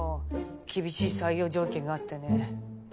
厳しい採用条件があってね。